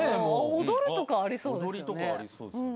もう踊るとかありそうですよね